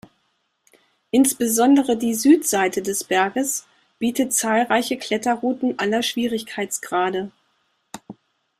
Insbesondere die Südseite des Berges bietet zahlreiche Kletterrouten aller Schwierigkeitsgrade.